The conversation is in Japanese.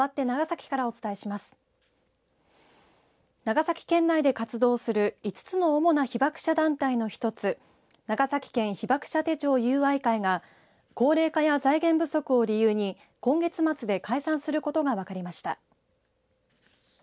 長崎県内で活動する５つの主な被爆者団体の一つ長崎県被爆者手帳友愛会が高齢化や財源不足を理由に今月末で解散することが分かりました。